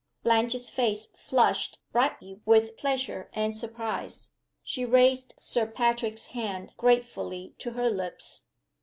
Blanche's face flushed brightly with pleasure and surprise. She raised Sir Patrick's hand gratefully to her lips.